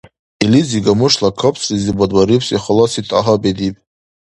Илизи гамушла кабцлизибад барибси халаси тӀагьа бедиб.